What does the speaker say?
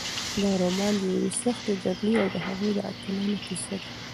دا رومان د یوې سختې جګړې او د هغې د اتلانو کیسه ده.